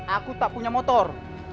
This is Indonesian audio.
aku tak punya motor